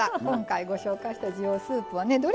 今回ご紹介した滋養スープはね